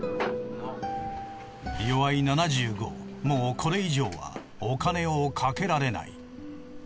もうこれ以上はお金をかけられない。